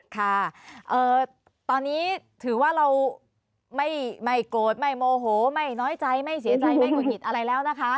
ค่ะตอนนี้ถือว่าเราไม่โกรธไม่โมโหไม่น้อยใจไม่เสียใจไม่หุดหงิดอะไรแล้วนะคะ